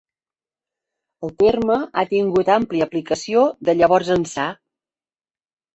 El terme ha tingut àmplia aplicació de llavors ençà.